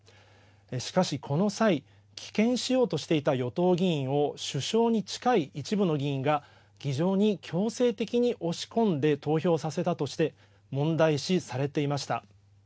しかし、この際、棄権しようとしていた与党議員を首相に近い一部の議員が議場に強制的に押し込んで投票させたとして問題視されていました。